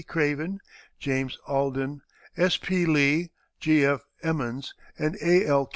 Craven, James Alden, S. P. Lee, G. F. Emmons, and A. L.